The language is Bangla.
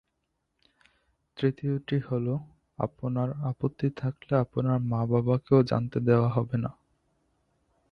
তৃতীয়টি হলো, আপনার আপত্তি থাকলে আপনার মা-বাবাকেও জানতে দেওয়া হবে না।